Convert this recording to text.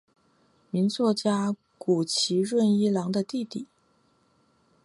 名作家谷崎润一郎的弟弟。